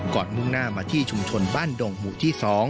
มุ่งหน้ามาที่ชุมชนบ้านดงหมู่ที่๒